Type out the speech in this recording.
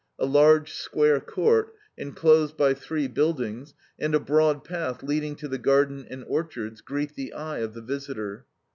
A large, square court, enclosed by three buildings, and a broad path leading to the garden and orchards, greet the eye of the visitor.